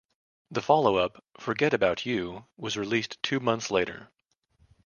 The follow-up, "Forget About You", was released two months later.